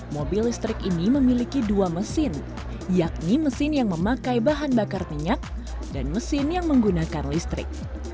mobil listrik ini memiliki dua mesin yakni mesin yang memakai bahan bakar minyak dan mesin yang menggunakan listrik